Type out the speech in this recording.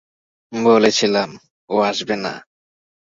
বলেছিলাম, ও আসবে না।